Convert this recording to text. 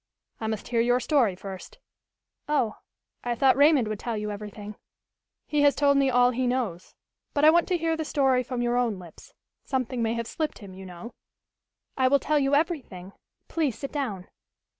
"I must hear your story first." "Oh, I thought Raymond would tell you everything." "He has told me all he knows. But I want to hear the story from your own lips. Something may have slipped him, you know." "I will tell you everything. Please sit down."